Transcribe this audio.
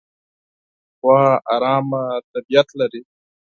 غوا ارامه طبیعت لري.